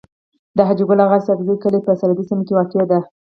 د حاجي ګل اغا اسحق زی کلی په سرحدي سيمه کي واقع دی.